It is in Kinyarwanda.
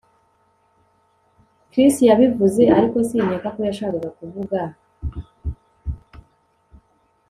Chris yabivuze ariko sinkeka ko yashakaga kuvuga